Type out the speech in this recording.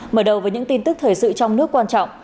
mở đầu với những tin tức thời sự trong nước quan trọng